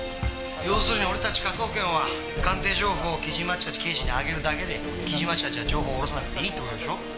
要するに俺たち科捜研は鑑定情報を木島っちたち刑事に上げるだけで木島っちたちは情報を下ろさなくていいって事でしょ？